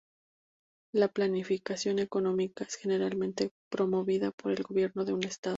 La planificación económica es generalmente promovida por el gobierno de un Estado.